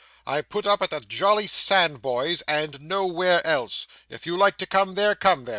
I put up at the Jolly Sandboys and nowhere else. If you like to come there, come there.